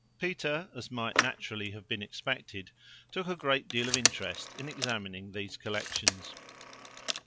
Peter, as might naturally have been expected, took a great deal of interest in examining these collections.